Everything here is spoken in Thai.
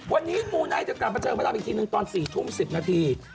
วันนี้กูในจะกลับมาเจอกับพี่ตายอีกทีหนึ่งตอน๔ทุ่ม๑๐นาที